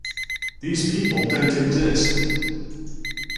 These people don't exist!